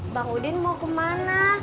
bang udin mau kemana